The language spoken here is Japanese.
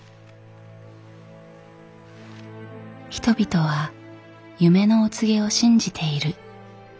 人々は夢のお告げを信じている。